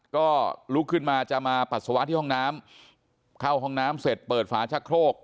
ก็ลุกขึ้นมาจะมาปัสสาวะที่ห้องน้ำเข้าห้องน้ำเสร็จเปิดฝาชะโครก